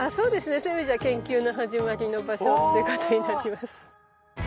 そういう意味じゃ研究の始まりの場所ってことになります。